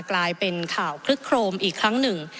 กลายเป็นข่าวคลึกโครมอีกครั้งหนึ่ง